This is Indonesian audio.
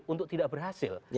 untuk tidak berhasil